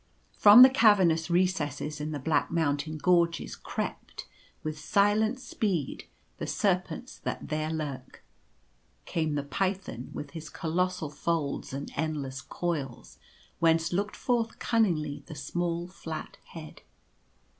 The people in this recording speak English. From the cavernous recesses in the black mountain gorges crept, with silent speed, the serpents that there lurk. Came the python, with his colossal folds and end less coils, whence looked forth cunningly the small flat head.